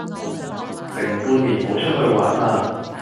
成半年冇出去玩喇